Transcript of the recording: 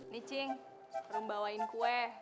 nih cing baru membawain kue